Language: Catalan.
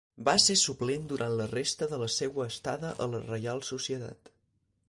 Va ser suplent durant la resta de la seua estada a la Reial Societat.